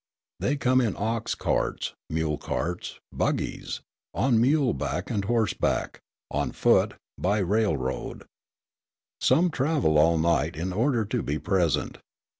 They come in ox carts, mule carts, buggies, on muleback and horseback, on foot, by railroad. Some travel all night in order to be present.